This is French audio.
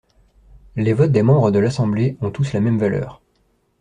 Les votes des membres de l'Assemblée ont tous la même valeur.